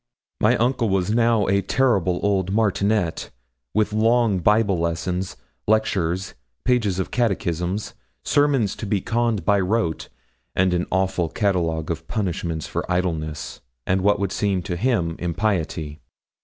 My uncle was now a terrible old martinet, with long Bible lessons, lectures, pages of catechism, sermons to be conned by rote, and an awful catalogue of punishments for idleness, and what would seem to him impiety.